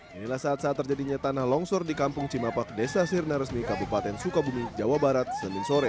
inilah saat saat terjadinya tanah longsor di kampung cimapak desa sirna resmi kabupaten sukabumi jawa barat senin sore